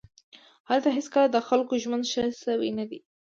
هلته هېڅکله د خلکو ژوند ښه شوی نه دی